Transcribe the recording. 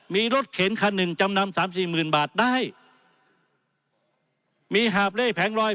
มีรถเข็นคันหนึ่งจำนำสามสี่หมื่นบาทได้มีหาบเล่แผงลอย